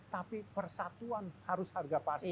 tapi persatuan harus harga pasar